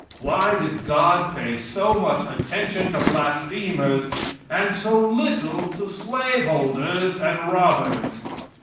Why did God pay so much attention to blasphemers, and so little to slaveholders and robbers?